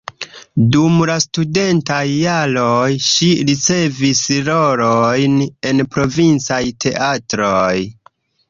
Dum la studentaj jaroj ŝi ricevis rolojn en provincaj teatroj.